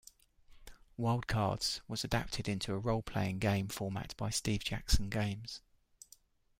"Wild Cards" was adapted into a role-playing game format by Steve Jackson Games.